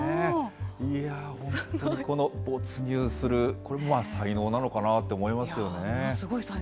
いやー、本当にこの没入する、これも才能なのかなと思いますよね。